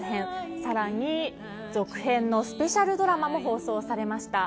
更に続編のスペシャルドラマも放送されました。